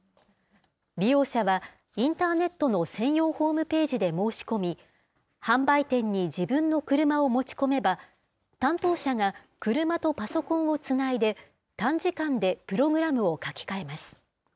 利用者はインターネットの専用ホームページで申し込み、販売店に自分の車を持ち込めば、担当者が車とパソコンをつないで、短時間でプログラムを書き換えます。